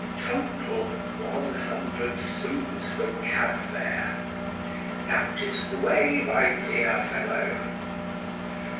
Total one hundred sous for cabfare. That is the way, my dear fellow."